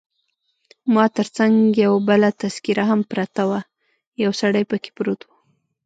ما تر څنګ یو بله تذکیره هم پرته وه، یو سړی پکښې پروت وو.